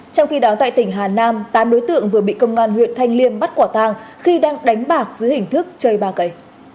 trong khi đó tại tỉnh hà nam tám đối tượng vừa bị công an huyện thanh liêm bắt quả tang khi đang đánh bạc dưới hình thức chơi ba cây